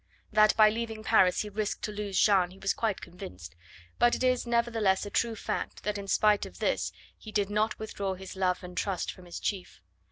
That by leaving Paris he risked to lose Jeanne he was quite convinced, but it is nevertheless a true fact that in spite of this he did not withdraw his love and trust from his chief.